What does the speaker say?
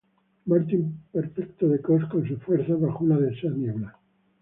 Martín Perfecto de Cos con sus fuerzas bajo una densa niebla.